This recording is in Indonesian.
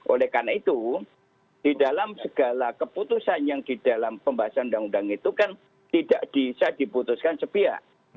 oleh karena itu di dalam segala keputusan yang di dalam pembahasan undang undang itu kan tidak bisa diputuskan sepihak